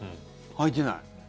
履いてない。